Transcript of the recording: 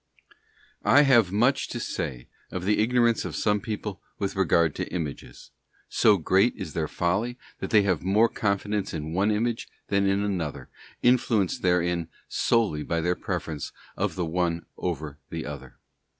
I wAvE much to say of the ignorance of some people with regard to Images: so great. is their folly that they have more confidence in one image than in another, influenced therein solely by their preference of the one over the other.